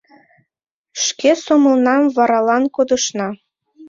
Шке сомылнам варалан кодышна.